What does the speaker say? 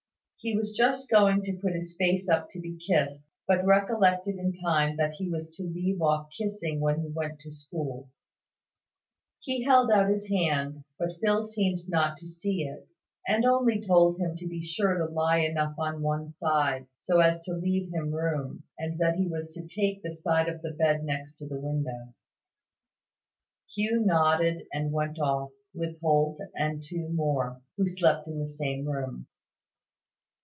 He was just going to put his face up to be kissed, but recollected in time that he was to leave off kissing when he went to school. He held out his hand, but Phil seemed not to see it, and only told him to be sure to lie enough on one side, so as to leave him room; and that he was to take the side of the bed next the window. Hugh nodded and went off, with Holt and two more, who slept in the same room.